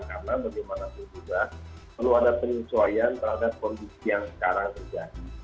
karena bagaimanapun juga perlu ada penyesuaian terhadap kondisi yang sekarang terjadi